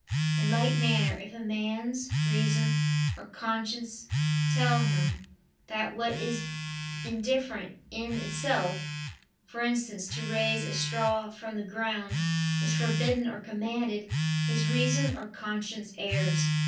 In like manner if a man's reason or conscience tell him, that what is indifferent in itself, for instance to raise a straw from the ground, is forbidden or commanded, his reason or conscience errs.